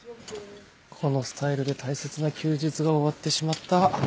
このスタイルで大切な休日が終わってしまった。